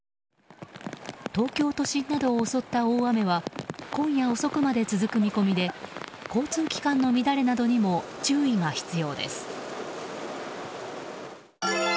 東京都心などを襲った大雨は今夜遅くまで続く見込みで交通機関の乱れなどにも注意が必要です。